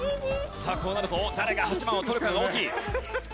さあこうなると誰が８番を取るかが大きい。